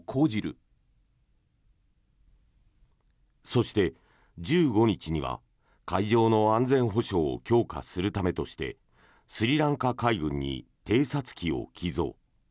そして、１５日には海上の安全保障を強化するためとしてスリランカ海軍に偵察機を寄贈。